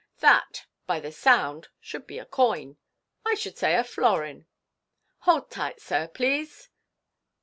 " That, by the sound, should be a coin, I should say a florin. Hold tight, sir, please.